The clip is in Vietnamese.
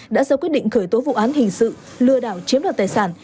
đã ra quyết định khởi tố vụ án hình sự lừa đảo chiếm đoạt tài sản